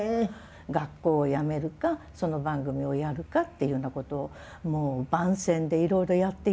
学校をやめるかその番組をやるかっていうようなことをもうばんせんでいろいろやっていただいた